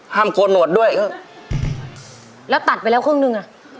ห้ามโคนโหดด้วยเขาแล้วตัดไปแล้วครึ่งหนึ่งอ่ะ